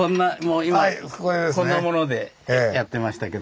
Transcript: こんなものでやってましたけどね。